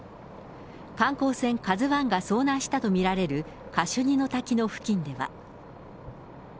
観光船カズワンが遭難したと見られるカシュニの滝の付近では。